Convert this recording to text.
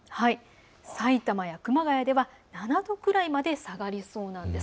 さいたまや熊谷は７度くらいまで下がりそうなんです。